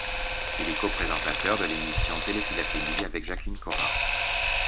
Il est co-présentateur le l'émission Télé-Philatélie avec Jacqueline Caurat.